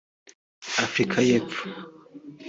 Afurika y’epfo